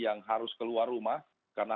yang harus keluar rumah karena